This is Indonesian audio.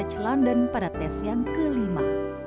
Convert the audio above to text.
di college london pada tes yang kelima